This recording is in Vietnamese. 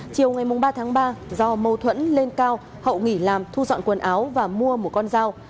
chiều ngày ba tháng ba do mâu thuẫn lên cao hậu nghỉ làm thu dọn quần áo và mua một con dao